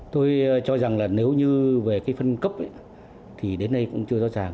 tôi cho rằng là nếu như về cái phân cấp thì đến nay cũng chưa rõ ràng